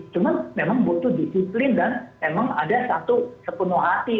cuma memang butuh disiplin dan memang ada satu sepenuh hati